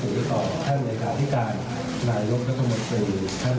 เห็นของต้องกันนะครับว่าเป็นเวลาที่ประสงค์